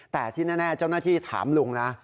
แต่ที่แน่เจ้าหน้าที่ถามลุงนะ